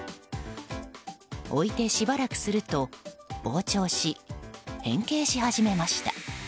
置いてしばらくすると膨張し、変形し始めました。